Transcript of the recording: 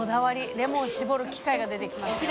レモン搾る機械が出てきましたよ。